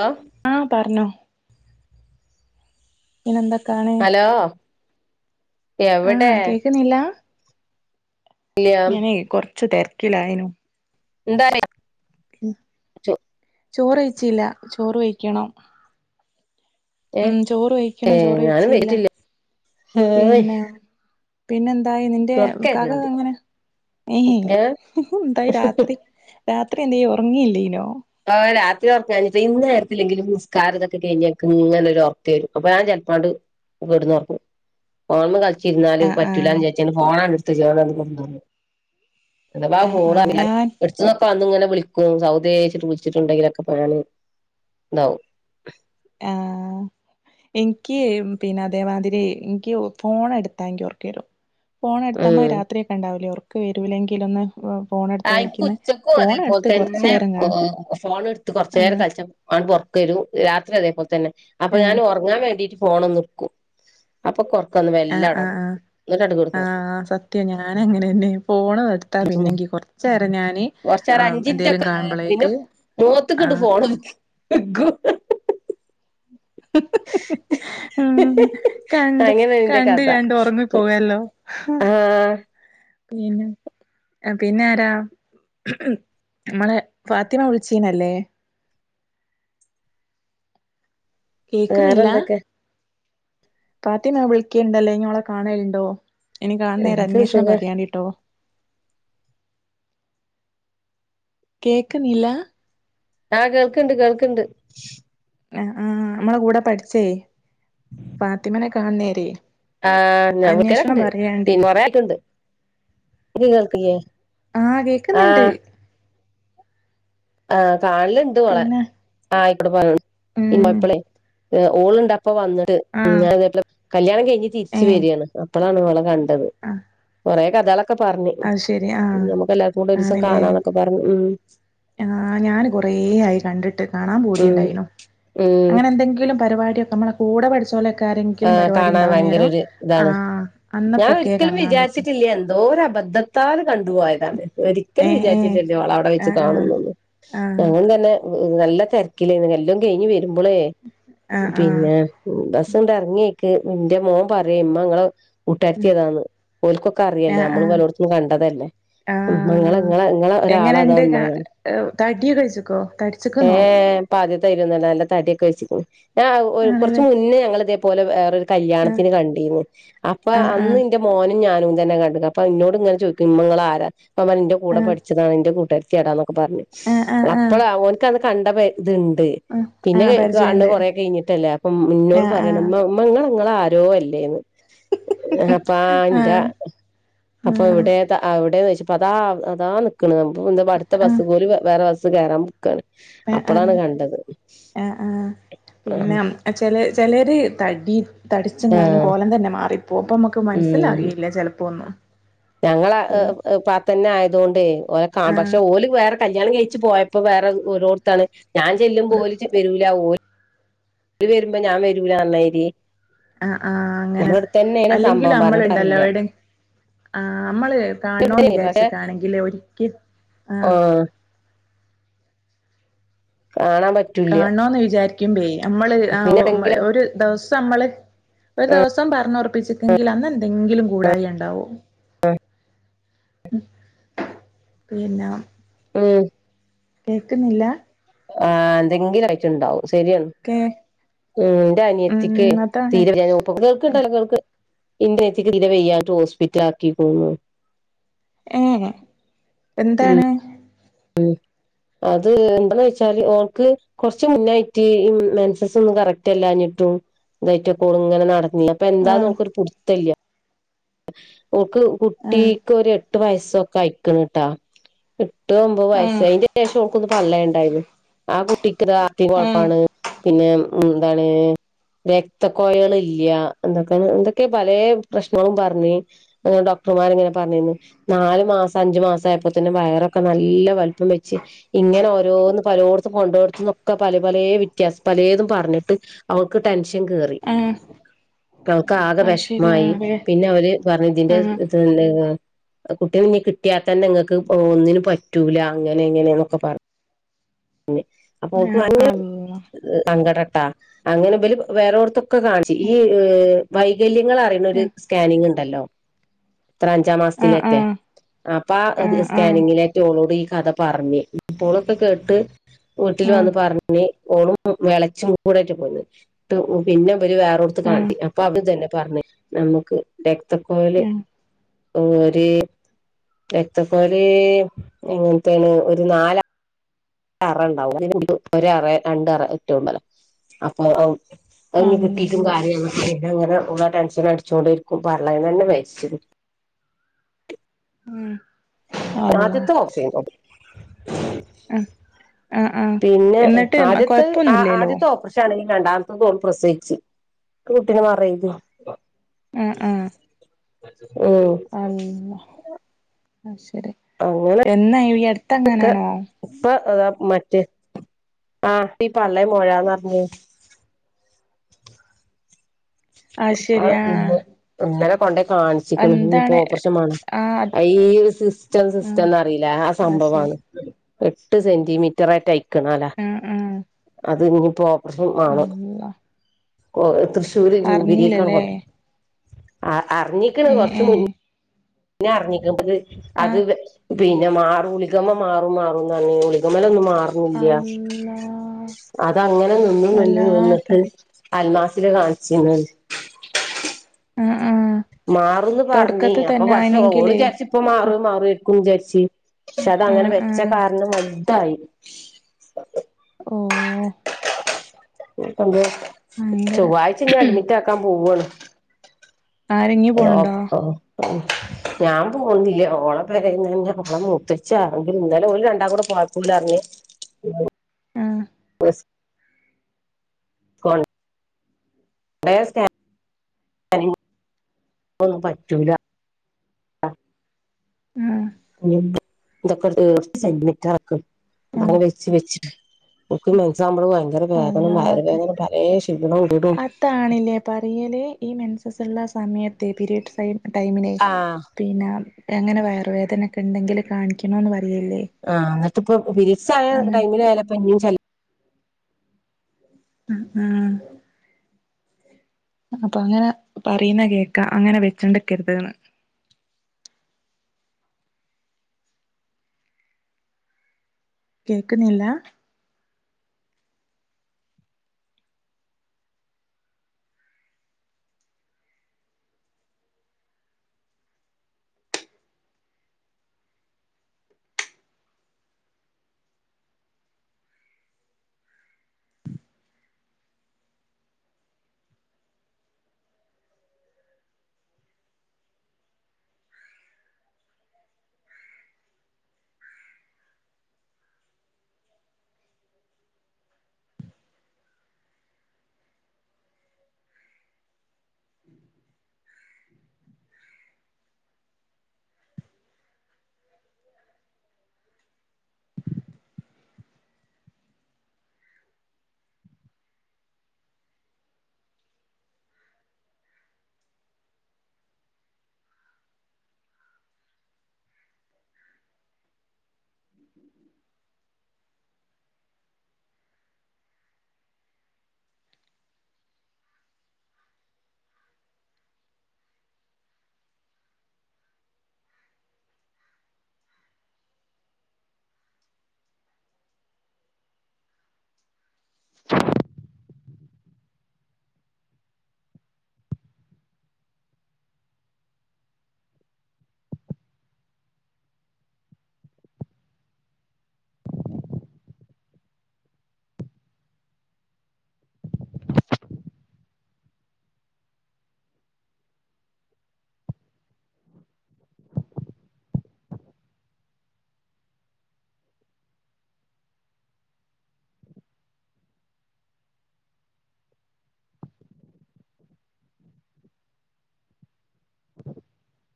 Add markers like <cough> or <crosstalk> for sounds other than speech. Hello ആഹ പറഞ്ഞോ. പിന്നെന്തൊക്കാണ് ഹലോ എവിടെ ആഹ് കേക്കുന്നില്ലാ ഇല്ല ഞാനേ കൊറച്ച് തിരക്കിലായിനു. <unintelligible> ചോറ് കഴിചില്ല ചോറ് വെക്കണം. ഏ ഉം ചോറ് ഏ കഴിക്കണം ചോറ് ഞാനും കഴിച്ചില്ല വരട്ടില്ല ഏയ് പിന്നാ എന്തായി നിന്റെ ഇക്കാക്ക ഉറക്കായിരുന്നുണ്ട് അങ്ങനെ ഏ ഹ ഹ എന്തായി രാത്രി രാത്രി എന്ത ചെയ്യും ഉറങ്ങിയില്ലേ ഇനോ? ഓ രാത്രി ഉറങ്ങാഞ്ഞിട്ട് ഇനേരത്തില്ലെങ്കിലും നിസ്ക്കാരം ഇതൊക്കെ കഴിഞ്ഞ് ഏക് ഇങ്ങനെ ഒരു ഉറക്കം വരും അപ്പം ഞാൻ ചിലപൻഡ് <unintelligible> ഇച്ചിരുന്നാല് ആഹ് പറ്റൂലന്ന് ആഹ് വിചാരിച്ചാണ് ഫോൺ ആഹ് ആഹ് <unintelligible> <unintelligible> ഞാൻ എടുത്ത അന്ന്ഓക്കെ അങ്ങനെ വിളിക്കും സൗദേ <unintelligible> ഉണ്ടാവും ആഹ എനിക്ക് പിന്നെ അതേമാതിരി എനിക്ക് ഫോൺ എടുത്താ എനിക്ക് ഉറക്കം വരും. ഫോണ എടുത്തമ്മ ഉം രാത്രിയക്കെണ്ടാവില്ലേ ഒർക്ക് വരൂല്ലെങ്കിൽ ഒന്ന് ആ എനക്ക് ഉച്ചക്കും അതേപോലെ തന്നെ കൊറച്ചേരം ഓ കാണും ഫോൺ എടുത്ത് കൊറച്ചു നേരം ആഹ് കളിച്ച <unintelligible> രും രാത്രി അതേപോലെ തന്നെ അപ്പൊ ഞാൻ ആഹ് ഉറങ്ങാൻ വേണ്ടിട്ട് ഫോൺഒന്ന് എടുക്കും അപ്പൊ കുറ ആഹ് ആഹ് ആഹ് ആഹ സത്യ ഞാനും അങ്ങനെ തന്നെ ആ. ഫോണ് എടുത്താ പിന്നെങ്കി കൊറച്ച നേരം ഞാന് കുറച്ചേരം അഞ്ച് മിനിറ്റ് എന്തേലും ഒക്കെ കാണുമ്പോളേക്ക് <unintelligible> ഹ ഹ ഹ ഹ ഉ കണ്ട് അങ്ങനെയാണ് ഇന്റെ കണ്ട് കഥ കണ്ട് ഉറങ്ങി പോവല്ലോ. ഹ ആഹ പിന്നെ പിന്നെ ആരാ? നമ്മള് ഫാത്തിമ വിളിച്ചേനല്ലേ <inaudible> കേക്കുന്നില്ല വേറെന്തൊക്കെ ഫാത്തിമ വിളിക്കുണ്ടല്ലേ നീ ഓളെ കാണലുണ്ടോ? എനി കാണുന്നേര എന്ത് അന്വേഷണം സുഖം പറയാണ്ടിട്ടോ കേക്കുന്നില്ല. ആഹ് കേൾക്ക്ണ്ട് കേൾക്ക്ണ്ട്. ആഹ് അമ്മളെ കൂടെ പഠിച്ചേ ഫാത്തിമനെ കാണ്ന്നേരി ആഹ നമ്മൾ കണ്ട് ഇീമുറ ആയിട്ടുണ്ട്. ഇത് കേൾക്കുന്നില്ലേ ആഹ് കേക്കുന്നുണ്ട് ആഹ ആഹ കാണൽ ഇണ്ട് ഓളെ പിന്നെ ആഹ് ഉം <unintelligible> ഓളുണ്ട് അപ്പോ വന്നത് ആഹ് <unintelligible> കല്യാണം കഴിഞ്ഞ് തിരിച്ചു ഏഹ് വരാണ് അപ്പോഴാണ് ഓളെ കണ്ടത്. ആഹ് കൊറേ കഥേളൊ ക്കെ പറഞ്ഞു അത് ശരി ആഹ് നമുക്ക് എല്ലാർക്കും കൂടെ ഒരൂസം ആണല്ലേ കാണാന്നൊക്കെ പറഞ്ഞു ഉം ആഹ് ഞാൻ കൊറേ ആയി കണ്ടിട്ട് കാണാ ഉം പൂതിണ്ടായിനടു ഉം അങ്ങനെ എന്തെങ്കിലും പരിപാടി നമ്മെ കൂടെ പഠിച്ചോലെ ആഹ് കാണാൻ ഭയങ്കര ഒരു ഇതാണ് ആഹ് ഞാൻ അന്നപ്പൊക്കെ ഒരിക്കലും കാണാൻ പറ്റും വിചാരിച്ചിട്ടില്ല എന്തോ അബദ്ധത്താൽ, കണ്ടുപോയതാണ് ഒരിക്കലും ഏഹ് ഏഹ് വിചാരിച്ചിട്ടില്ല ഓളെ അവിടെ വെച്ച് ആഹ് ആഹ് കാണുന്നൊന്നും ആഹ് അങ്ങനെതന്നെ നല്ല തെരക്കിലേനി എല്ലും കെഴിഞ്ഞു വരുമ്പള് ആഹ് ആഹ് പിന്നെ ബ സ് ണ്ടറ് ങ്ങ്യെക്ക് ഇന്റെ മോ പറ്യേ ഇമ്മ ഇങ്ങളെ ഉം കൂട്ടുകാരിത്തി അതാന്ന് ഓൽകൊക്കെ അറിയല്ലൊ ആഹ് നമ്മൾ ആഹ് പലോട്ത്തുന്നും കണ്ടതല്ലേ ഉമ്മ ഇങ്ങളെ ആഹ് ഇങ്ങളെ ഇങ്ങളെ ഒരാളതാ എങ്ങനെണ്ട് കാ ഉമ്മാന്നാ റ്ഞ്ഞ് ഏഹ് തടിയൊക്കെ വെച്ച്ക്കോ ഏ തടിച്ച്ക്ക്ന്നോ ഞാനിപ്പ ആദ്യത്തായ്രി ഒന്നല്ല നല്ല തടിയൊക്കെ വെിച്ചിക്ക്ണ് ഞാൻ കൊറ്ച്ച് ആണ്ല്ലേ മുന്നേ ഞങ്ങൾ ഇത്പോലെ വേറെരു ആഹ് കല്യണത്തിന് കണ്ടീനി അപ്പോ ആഹ് അന്ന് ആഹ് ഇന്റെ മോൻ ഞാനും തന്നെ കണ്ട്ണ് അപ്പൊ ഇന്നോട് ഇങ്ങെനെ ചോയ്ക്കും ഇമ്മാ ഇങ്ങള ആരാ അപ്പം പറയും ഇന്റെ കൂടെ ആഹ് പഠിച്ചതാണ് ഇന്റെ കൂട്ടാര്ത്തി യാടാ. പറഞ്ഞു ആഹ് ആഹ് ആഹ് അപ്പളാ ഓന്ക് അന്ന് കണ്ട പെ ഇത് ഇണ്ട് ആഹ് പിന്നെ ആഹ് കേ കാണ് ണ പരിചയണ്ട് കൊറെേ കെഴിഞ്ഞിട്ടല്ലേ അപ്പൊ ഇന്നോട് ആഹ് പറയാണ് ആഹ് ഇമ്മാ ഉമ്മ ഇങ്ങളെ ഇങ്ങളെ ആരോ അല്ലേന്ന്. അപ്പ ആഹ് ഇന്റെ അപ്പൊ ആഹ് ഇവിടെ അവിടെന്ന് <unintelligible> അപ്പോ അതാ അതാ നിക്ക്ണ് <unintelligible> അട്ത്ത ബസ് പോലും വേറെ ബസ്സ് കയെറാൻ ആഹ് ആഹ് ആഹ് ആഹ് പിന്നെ ചെലെ ചെലെ ഒര് തടി തടിചെങ്ങാനും ആഹ് കോലം തന്നെ മാറിപ്പോ ഇപ്പോ അമക്ക് മനസ്സിലറിയില്ല ചെലപ്പൊന്നും. ഞങ്ങളെ പാത്തന്നെ ആയതോണ്ടെ ഓലെ കാണും പക്ഷെ ആഹ് ഓൽ വേറെ കല്യാണം കഴിച്ച് പോയപ്പോ വേറെ ഓരോത്താണ് ഞാൻ ചെല്ലുമ്പോ ഓര് വെരൂല. ഓര് ഓര് വരുമ്പോ ഞാൻ വരൂല റ് ന്നായിരി അഹ് ആഹ് അങ്ങനെ അല്ലെങ്കി സംഭവം പറഞ്ഞിട്ട് നമ്മള്ണ്ടല്ലോ കാര്യല്ല എവിടെ ആഹ് അമ്മള് കാണ് ണൊന്ന് പക്ഷെ വിചാരിച്ചട്ടാണെങ്കിലെ ഒരിക്കൽ ആഹ ആഹ് കാണാൻ പറ്റൂല കാണണോ വിചാരിക്കുമ്പേ അമ്മള് പിന്നെ ആഹ് എവിടെങ്കിലും ഒരു ദിവസം അമ്മള് ഒരു ദിവസം പറഞ്ഞുറപ്പിച്ചിക്കെങ്കിൽ അന്ന് എന്തെങ്കിലും കൂടായ ഇണ്ടാവും പിന്നെ ഉം കേക്കുന്നില്ല, ആഹ് എന്തെങ്കിലു ആയിട്ട് ഇണ്ടാവും ശെരിയാണ് കേ ഉം ഇന്റെ അനിയത്തിക്കെ ഉം അതാണ് തീരെ വെയാഞ്ഞിട്ട് ഓക്ക് <unintelligible> മൂക്ക്ണ്ടല്ലൊ മൂക്ക് ഇന്റെ അനിയത്തിക്ക് തീരെ വെയ്യായിട്ട് ഹോസ്പിറ്റ ആക്കികുണു. ഏ എന്താണ്. ഉം അത് എന്താവെച്ചാല് ഓൾക് കൊറച്ച് മുന്നായിട്ട് ഈ മെൻസ്സസ് ഒന്നും കറക്റ്റ് അല്ലാഞ്ഞിട്ടും. ഇതായിട്ടൊക്കെ ഓൾ ഇങ്ങനെ നട ആ ഇന്നുപെന്താന്ന് ഓൾക്കൊരു പുടുത്തല്ല ഓൾക് ആ കുട്ടിക്കൊരു എട്ട് വയസൊക്കെ ആയിക്ക്ണു ട്ടോ എട്ട് ഒമ്പത് ആ വയസ് അയ്ന്റെ ശേഷം ഓൾക്കൊന്ന് പള്ളേ ഇണ്ടായിനി ആ കുട്ടിക്ക്താ ഹാർട്ട്‌ ന് ആ കൊഴ്പ്പാണ്. പിന്നെ എന്താണ് രക്തകോയല് ഇല്ല എന്തൊക്ക എന്തൊക്കെ പലേ പ്രശ്നങ്ങളും പറഞ്ഞി ഡോക് ർമാര് ഇങ്ങനെ പറഞ്ഞിന്നു. നാല് മാസം അഞ്ചു മാസം ആയപ്പോത്തിനു വയറൊ- ഇപ്പൊ നല്ല വൽപ്പം വെച്ച്. ഇങ്ങനെ ഓരോന്ന് പലോടത്തും കൊണ്ടോയോടത്ത്ന്നൊക്കെ പലെ പലേ വിത്യാസം പ- പലേതും പറഞ്ഞിട്ട് അവക്ക് ടെൻഷൻ കേറി. ആ അവക്ക് ആകെ ആ ശരി ആ വെഷ്മായി, അതെ പിന്നെ അവര് പറഞ്ഞു ഇതിന്റെ ആ <unintelligible> ഹാ കുട്ടികൾ ഇഞ്ഞ് കിട്ടിയാത്തന്നെ ഇങ്ങക്ക് പ്പോ ഒന്നിനും പറ്റൂല അങ്ങനെ ഇങ്ങനെന്നൊക്കെ പറഞ്ഞ്. ഞ്ഞ് അപ്പൊ ഓക്ക് ആ ഭയങ്കര അള്ളാ സങ്കടംട്ടാ, അങ്ങനെ ഇബല് വേറോടത്ത് - ഒക്കെ കാണിച്ച്. ഈ ഏ വൈകല്യങ്ങൾ അറിയണ ഒര് സ്കാനിങ് ഇണ്ടല്ലോ, എത്രെ അഞ്ചാം ആ ആ ആ മാസത്തിലെറ്റെ അപ്പാ ആ സ്കാനിങ്ങിലെറ്റെ ഓളോട് ഈ - അത പറഞ്ഞ്. അപ്പോളൊക്കെ കേട്ട് വീട്ടിൽ ആ വന്ന് പറഞ്ഞ്- ഓളും മൂ എളേച്ചീമ് കൂടെറ്റെ പോയത്. ന്ന്ട്ട് പിന്നെ ഇവര് വേറോടത്ത് ആ കാട്ടി. അപ്പവടന്നും തന്നെ - പറഞ്ഞെ, നമുക്ക് രക്തക്കൊയല് ആ - ഒര്... രക്തക്കൊയല്..... എങ്ങനത്തെണ് ഒരു നാല- അറ ഇണ്ടാവും. അതെല്ലാം കൂടിട്ട് ഒര് അറെ രണ്ട് അറെ എറ്റെണ്ടാവാ, അപ്പൊ അഹ് - അഹ്ഞ്ഞ് കിട്ടീട്ടും അള്ളാ കാര്യോ <unintelligible> പിന്നെ അങ്ങനെ ഉള്ള ടെൻഷനടിച്ചോണ്ടിരിക്കും പള്ളേന്നന്നെ മരിച്ചത്. ഉം. അള്ളാ ആദ്യത്തത് ഒക്കേന്നു ഓൾത്. ഉം ആഹ് ആഹ് പിന്നെ എന്നിട്ട് ആദ്യത്തത് ആ കൊഴപ്പൊന്നുല്ലേല്ലോ ആദ്യാത്തത് ഓപ്പറേഷനാണ് രണ്ടാമത്തതോള് പ്രസവിച്ചു. കുട്ടിനെ മറവെയ്തു. ആ ആ. ഓ. അത് ശരി അങ്ങനെ എന്നാ ഈ <unintelligible> ക്കെ അടുത്തെങ്ങാനാണോ ഇപ്പൊ- അതാ മറ്റെ ആഹ ഈ പള്ളേ മൊഴാന്നറഞ്ഞ്, <inaudible> അത് അപ്പ ശരി ആഹ് ഇന്ന് ഇന്നലെ കൊണ്ടെയി കാണിച്ച്ക്ക്ണ്. ഇഞ്ഞ് ഇപ്പോ എന്താണ് ഓപ്പറേഷൻമേണം ആഹ് അത് ആ ഈ ഒരു സിസ്റ്റം സിസ്റ്റം ആഹ് ന്നറീലെ ആ അത് ശരി സംഭവാണ്. എട്ട് സെന്റിമീറ്ററെറ്റയിക്ക്ണോലാ ആഹ് ആഹ് അത് ഇഞ്ഞ് പ്പൊ - ഓപ്പറേഷൻമേണം. അള്ളാ ഓല് തൃശ്ശൂര് ജൂബിലി ഞ്ഞീലല്ലേ.. ആ അറിഞ്ഞീക്ക്ണ് കൊറച്ച് മു <unintelligible> -... ന്നെ അറിഞ്ഞിക്ണ് ഇബക് ആഹ് അത്- പിന്നെ മാറും കുളിക്കമ മാറും മാറുംന്നറഞ്ഞ് കുളികമ്മലൊന്നും മാ- മാർണ്ല്ല്യ അള്ളാ അതങ്ങനെ നിന്ന് നിന്ന് നിന്ന്ട്ട് വല്ലാത്തൊരു അൽമാസ് - ലാ കാൺച്ചീന്നെഹ്. ആഹ് ആഹ് മാറുംന്ന് പറഞ്ഞിനി. തൊടക്കത്തി അപ്പൊ തന്നെ പക്ഷെ ഓള് ആണെങ്കിലേ വിചാരിച്ച് ഇപ്പൊ മാറും മാറേര്ക്കും വിചാരിച്ച്, പക്ഷെ അത് അങ്ങനെ ആഹ് വെച്ച ആഹ് കാരണം വൽതായി. ഓഹ് എന്ത്? ഭയങ്കര ചൊവ്വാഴ്ച ഇഞ്ഞ് അഡ്മിറ്റാക്കാൻ പോവാണ്. ആരെ ഞ്ഞ് പോണ് ണ്ടോ?... ഞാൻ പോവുന്നില്ല. ഓളെ പെരേന്നെന്നെ ഓളെ മൂത്തച്ച്യാരെങ്കിലും, ഇന്നലെ ഓല് രണ്ടാളും കൂടെ പോയപ്പൊ ഓലറഞ്ഞ് - ഉം ആഹ് <inaudible> കൊൺ <unintelligible> റേ സ്കാ- <unintelligible> ഉം. ന്തൊക്ക മിക്ക <unintelligible> ആഹ് അങ്ങനവച് വച്ചു മെൻസസാവുമ്പോ ഭയങ്കര വേദനേം വയറ് വേദനേം പലേ ഷ്, അതാണ്ലെ പറയല്? ഈ മെൻസസ് ഇള്ള സമയത്ത് പിരിയഡ്‌സ് ആയി - ടൈമിനെ ആ പിന്നെ എങ്ങനെ വയർ വേദനൊക്കെണ്ടെങ്കില് കാണിക്കണോന്ന് പറ- ആഹ് അത്പ്പൊ പിരിയഡ്‌സ് ആയ അങ്ങനെ ടൈമില് ചെലപ്പൊ ഇഞ്ഞും ചെല്ല- അഹ് ആ. അപ്പൊ അങ്ങനെ പറയുന്ന കേക്കാ അങ്ങനെ വെച്ചോണ്ട്ക്കര്ത് ന്ന്. കേക്കണില്ല <unintelligible>